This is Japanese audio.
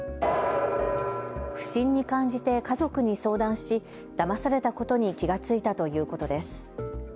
不審に感じて家族に相談しだまされたことに気が付いたということです。